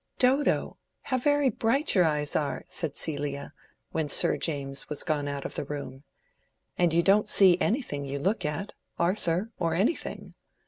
"Dodo, how very bright your eyes are!" said Celia, when Sir James was gone out of the room. "And you don't see anything you look at, Arthur or anything.